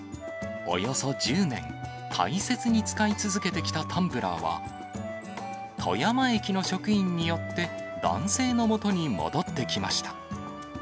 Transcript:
およそ１０年、大切に使い続けてきたタンブラーは、富山駅の職員によって男性のもとに戻ってきました。